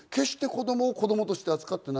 子供を子供として扱っていない。